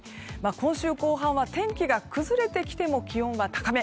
今週後半は天気が崩れてきても気温が高め。